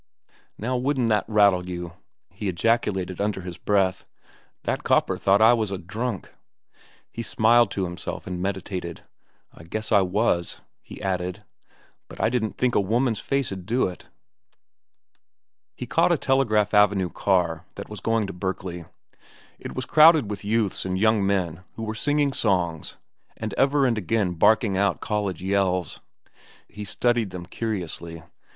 "Now wouldn't that rattle you?" he ejaculated under his breath. "That copper thought I was drunk." He smiled to himself and meditated. "I guess I was," he added; "but I didn't think a woman's face'd do it." He caught a Telegraph Avenue car that was going to Berkeley. It was crowded with youths and young men who were singing songs and ever and again barking out college yells. He studied them curiously.